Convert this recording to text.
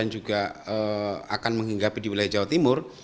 juga akan menghinggapi di wilayah jawa timur